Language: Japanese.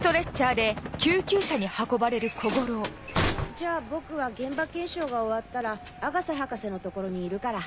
じゃあ僕は現場検証が終わったら阿笠博士のところにいるから。